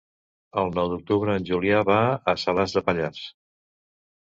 El nou d'octubre en Julià va a Salàs de Pallars.